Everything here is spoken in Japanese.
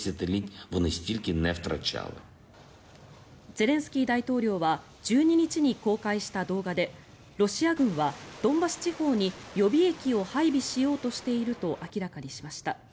ゼレンスキー大統領は１２日に公開した動画でロシア軍はドンバス地方に予備役を配備しようとしていると明らかにしました。